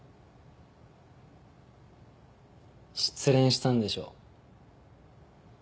失恋したんでしょ。